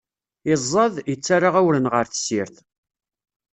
Iẓẓad, itterra awren ɣer tessirt.